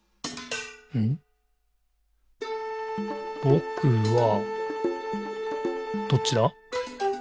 「ぼくは、」どっちだ？